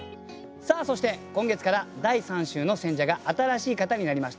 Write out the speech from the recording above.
さあそして今月から第３週の選者が新しい方になりました。